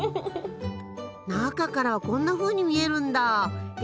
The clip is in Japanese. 中からはこんなふうに見えるんだへ。